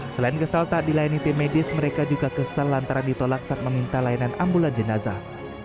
selain kesal tak dilayani tim medis mereka juga kesal lantaran ditolak saat meminta layanan ambulan jenazah